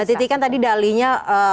mbak titi kan tadi dalinya